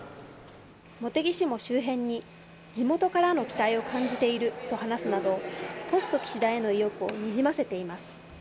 茂木氏も周辺に、地元からの期待を感じていると話すなど、ポスト岸田への意欲をにじませています。